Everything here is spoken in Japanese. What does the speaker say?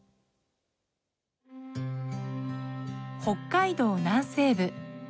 北海道南西部。